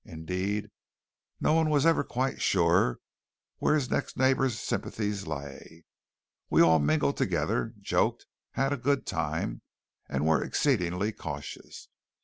Indeed, no one was ever quite sure of where his next neighbour's sympathies lay. We all mingled together, joked, had a good time and were exceedingly cautious.